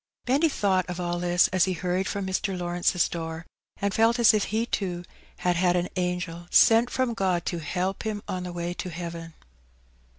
Benny thought of all this, as he hurried from Mr. Law rence's door, and felt as if he, too, had had an angel sent from Ood to help him on the way to heaven.